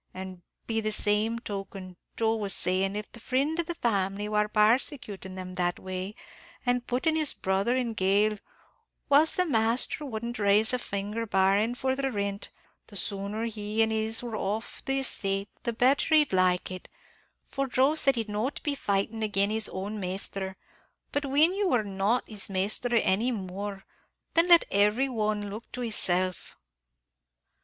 an' be the same token, Joe was sayin', if the frind of the family war parsecuting them that way, an' puttin' his brother in gaol, whilst the masthur wouldn't rise a finger, barrin' for the rint, the sooner he an' his were off the estate, the betther he'd like it; for Joe sed he'd not be fightin' agin his own masthur, but whin you war not his masthur any more, then let every one look to hisself."